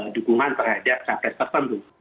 dukungan terhadap catat tertentu